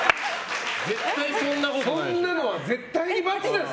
そんなのは絶対に×です。